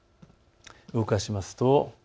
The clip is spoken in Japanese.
動かしますと。